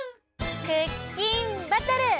クッキンバトル！